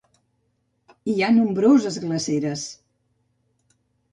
Hi ha nombroses glaceres.